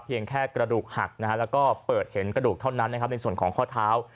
เพียงแค่กระดูกหักแล้วก็เปิดเห็นกระดูกเท่านั้นในส่วนของข้อเท้า